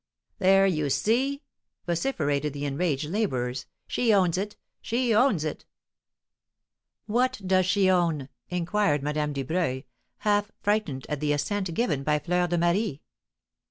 "There you see!" vociferated the enraged labourers. "She owns it! she owns it!" "What does she own?" inquired Madame Dubreuil, half frightened at the assent given by Fleur de Marie.